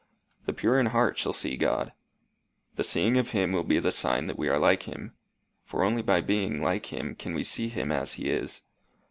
The pure in heart shall see God. The seeing of him will be the sign that we are like him, for only by being like him can we see him as he is.